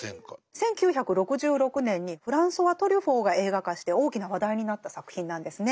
１９６６年にフランソワ・トリュフォーが映画化して大きな話題になった作品なんですね。